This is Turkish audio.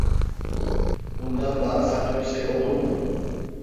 Bundan daha saçma şey olur mu?